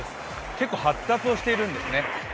結構発達をしているんですね。